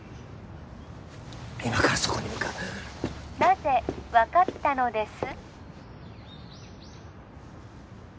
今からそこに向かうなぜ分かったのです？